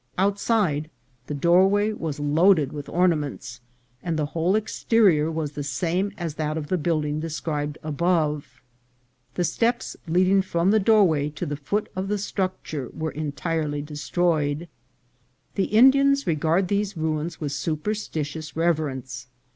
Outside the doorway was loaded with orna ments, and the whole exterior was the same as that of the building described above. The steps leading from the doorway to the foot of the structure were entirely destroyed. The Indians regard these ruins with superstitious rev erence.